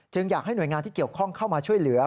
อยากให้หน่วยงานที่เกี่ยวข้องเข้ามาช่วยเหลือ